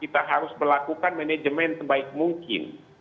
kita harus melakukan manajemen sebaik mungkin